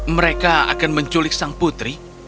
mereka akan menculik sang putri